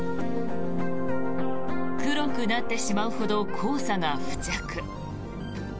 黒くなってしまうほど黄砂が付着。